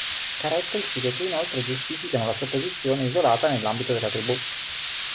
Caratteristiche che inoltre giustificano la sua posizione isolata nell'ambito della tribù.